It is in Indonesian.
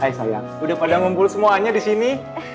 hai sayang udah pada ngumpul semuanya disini